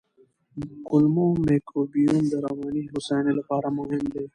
کولمو مایکروبیوم د رواني هوساینې لپاره مهم دی.